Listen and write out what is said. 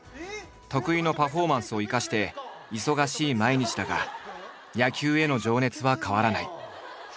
得意のパフォーマンスを生かして忙しい毎日だが野球への情熱は変わらない。